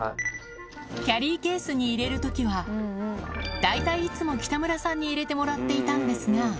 キャリーケースに入れるときは、大体いつも北村さんに入れてもらっていたんですが。